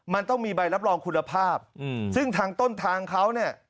มันต้องมีใบรับรองคุณภาพซึ่งทางต้นทางเขาเนี่ย